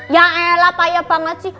ya ella payah banget sih